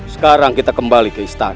sekarang kita kembali ke istana